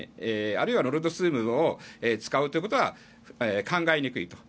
あるいは、ノルドストリームを使うということは考えにくい。